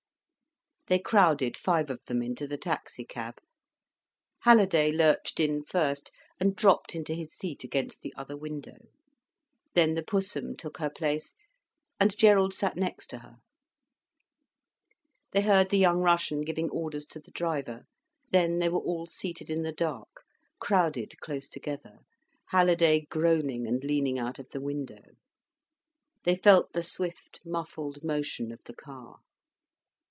They crowded five of them into the taxi cab. Halliday lurched in first, and dropped into his seat against the other window. Then the Pussum took her place, and Gerald sat next to her. They heard the young Russian giving orders to the driver, then they were all seated in the dark, crowded close together, Halliday groaning and leaning out of the window. They felt the swift, muffled motion of the car.